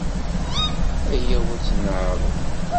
Ayaw ad tt-neƐreḍ.